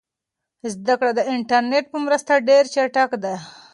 زده کړه د انټرنیټ په مرسته ډېره چټکه ده.